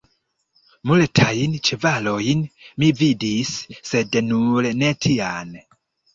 Multajn ĉevalojn mi vidis, sed nur ne tian!